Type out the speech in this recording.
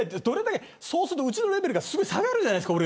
そうするとうちのレベルがすごい下がるじゃないですか。